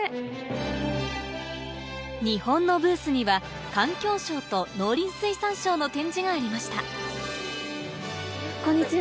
日本のブースには環境省と農林水産省の展示がありましたこんにちは。